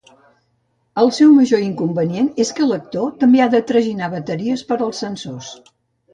El seu major inconvenient és que l'actor també ha de traginar bateries per als sensors.